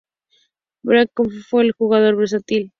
Beckenbauer fue un jugador versátil.